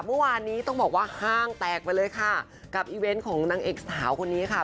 เมื่อวานนี้ต้องบอกว่าห้างแตกไปเลยค่ะกับอีเวนต์ของนางเอกสาวคนนี้ค่ะ